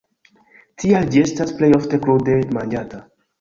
Tial ĝi estas plej ofte krude manĝata.